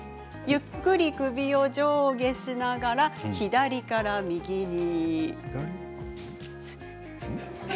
ゆっくり首を上下しながら左から右に。